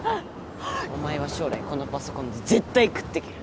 お前は将来このパソコンで絶対食ってける